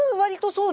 そう。